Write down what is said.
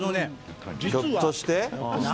ひょっとして？